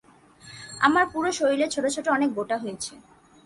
আমার পুরো শরীরে ছোট ছোট অনেক গোটা হয়েছে।